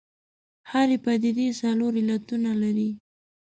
هرې پدیدې څلور علتونه لري.